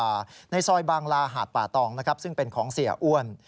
ชื่อว่าปุ้มปุ้ยบาในซอยบางลาหาดป่าตองซึ่งเป็นของเสียอ้วน